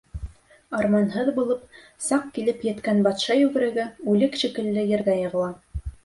Арманһыҙ булып, саҡ килеп еткән батша йүгереге үлек шикелле ергә йығыла.